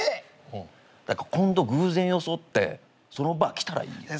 今度偶然装ってそのバー来たらいいよ。